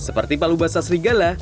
seperti palu basah serigala